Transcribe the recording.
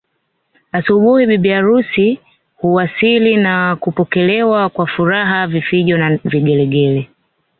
Asubuhi bibi harusi huwasili na kupokelewa kwa furaha vifijo na vigelegele